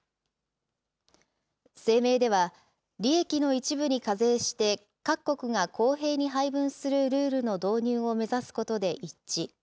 声明では、利益の一部に課税して、各国が公平に配分するルールの導入を目指すことで一致。